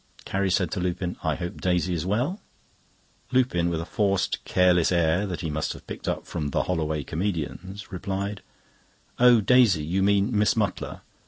Carrie said to Lupin: "I hope Daisy is well?" Lupin, with a forced careless air that he must have picked up from the "Holloway Comedians," replied: "Oh, Daisy? You mean Miss Mutlar.